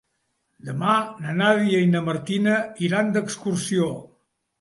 Demà na Nàdia i na Martina iran d'excursió.